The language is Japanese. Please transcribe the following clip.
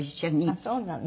あっそうなの。